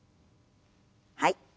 はい。